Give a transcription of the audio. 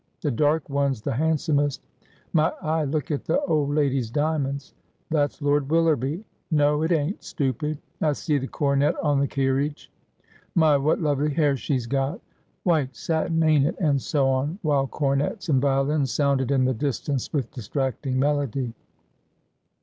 ' The dark one's the hand somest.' ' My eye ! look at the old lady's diamonds.' ' That's Lord Willerby.' ' No, it ain't, stoopid.' ' I see the coronet on the kerridge.' ' My, what lovely hair she's got !'' White satin, ain't it ?' and so on, while cornets and violins sounded in the distance with distracting melody.